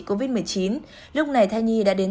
covid một mươi chín lúc này thai nhi đã đến